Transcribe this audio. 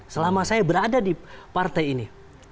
selama saya berada di partai ini